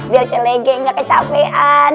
biar celege gak kecapean